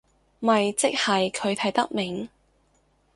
咪即係佢睇得明